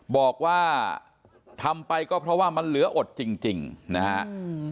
บอกว่าทำไปก็เพราะว่ามันเหลืออดจริงจริงนะฮะอืม